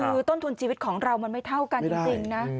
คือต้นทุนชีวิตของเรามันไม่เท่ากันจริงนะ